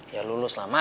ya lulus lama